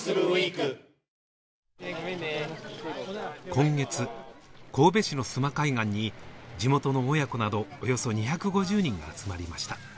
今月、神戸市の須磨海岸に地元の親子など、およそ２５０人が集まりました。